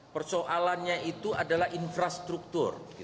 persoalannya itu adalah infrastruktur